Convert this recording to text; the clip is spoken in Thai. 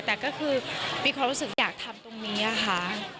แต่ก็คือมีความรู้สึกอยากทำตรงนี้ค่ะ